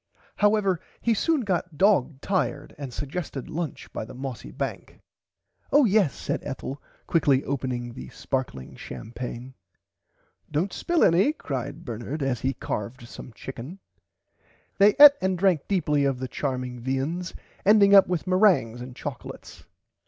However he soon got dog tired and sugested lunch by the mossy bank. Oh yes said Ethel quickly opening the sparkling champaigne. Dont spill any cried Bernard as he carved some chicken. They eat and drank deeply of the charming viands ending up with merangs and choclates.